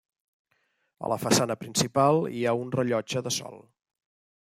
A la façana principal hi ha un rellotge de sol.